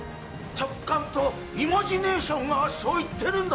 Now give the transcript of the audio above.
直感とイマジネーションがそう言ってるんだ